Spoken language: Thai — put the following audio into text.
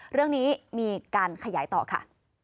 เรื่องนี้มีการขยายต่อค่ะ